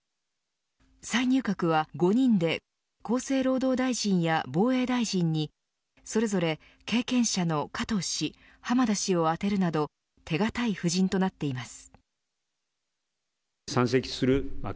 再入閣は５人で厚生労働大臣や防衛大臣にそれぞれ経験者の加藤氏、浜田氏を充てるなど手堅い布陣となっています。